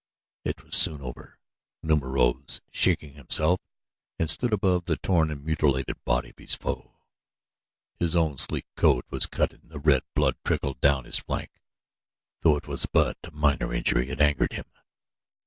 It was soon over. Numa rose, shaking himself, and stood above the torn and mutilated body of his foe. His own sleek coat was cut and the red blood trickled down his flank; though it was but a minor injury, it angered him.